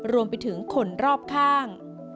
รวมไปถึงคนรอบข้าง